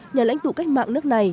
nhà lãnh tụ cách mạng nước này